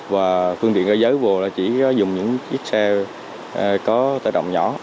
và phương tiện gây giới vô là chỉ dùng những chiếc xe có tài động nhỏ